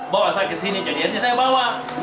bawa saya ke sini jadi saya bawa